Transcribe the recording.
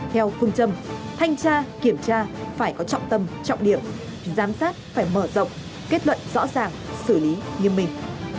theo phương châm thanh tra kiểm tra phải có trọng tâm trọng điểm giám sát phải mở rộng kết luận rõ ràng xử lý nghiêm minh